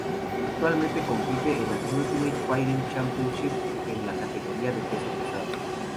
Actualmente compite en la Ultimate Fighting Championship en la categoría de peso pesado.